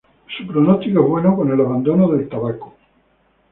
Su pronóstico es bueno con el abandono del tabaco.